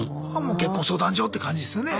結婚相談所って感じですよね。